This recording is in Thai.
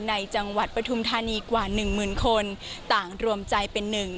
ในจังหวัดปฐุมธานีกว่าหนึ่งหมื่นคนต่างรวมใจเป็นหนึ่ง